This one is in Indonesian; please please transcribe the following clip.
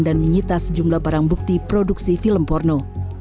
dan menyitas jumlah barang bukti produksi film porno